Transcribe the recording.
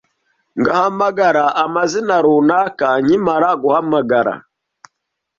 ngahamagara amazina runaka, nkimara guhamagara